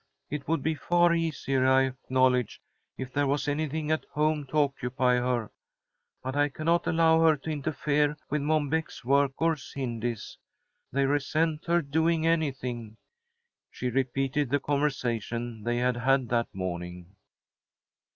It would be far easier, I acknowledge, if there was anything at home to occupy her, but I cannot allow her to interfere with Mom Beck's work, or Cindy's. They resent her doing anything." She repeated the conversation they had had that morning.